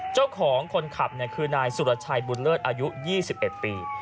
เจ้าของคนขับคือนายสุรชัยบุญเลิศอายุ๒๑ปี